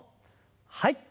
はい。